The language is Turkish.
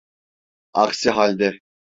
Aksi halde…